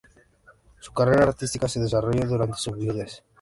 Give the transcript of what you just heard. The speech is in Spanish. Su carrera artística se desarrolló durante su viudez.